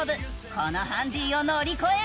このハンディを乗り越えられるか？